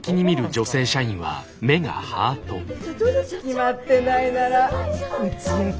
決まってないならうちへ来ない？